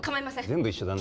全部一緒だね